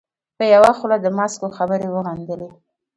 په یوه خوله د ماسکو خبرې وغندلې.